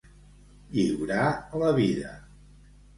Lliurar la vida.